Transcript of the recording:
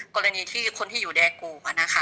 กรณีที่คุณที่อยู่แทกู